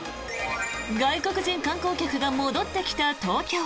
外国人観光客が戻ってきた東京。